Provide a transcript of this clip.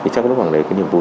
chắc lúc nào lấy cái niềm vui